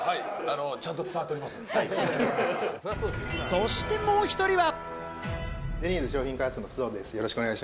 そしてもう１人は。